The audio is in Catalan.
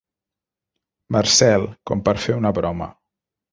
Marcel, com per fer una broma.